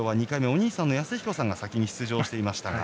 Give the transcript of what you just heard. お兄さんの泰彦さんが先に出場していました。